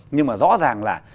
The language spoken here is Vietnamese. nhưng mà rõ ràng là